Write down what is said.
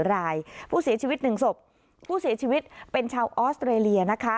รายผู้เสียชีวิต๑ศพผู้เสียชีวิตเป็นชาวออสเตรเลียนะคะ